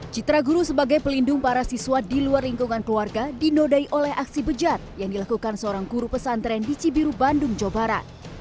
citra guru sebagai pelindung para siswa di luar lingkungan keluarga dinodai oleh aksi bejat yang dilakukan seorang guru pesantren di cibiru bandung jawa barat